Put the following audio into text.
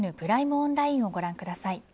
オンラインをご覧ください。